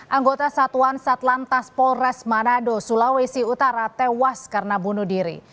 anggota satuan satlantas polres manado sulawesi utara tewas karena bunuh diri